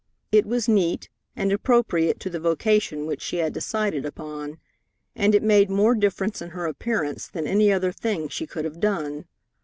It was neat, and appropriate to the vocation which she had decided upon, and it made more difference in her appearance than any other thing she could have done.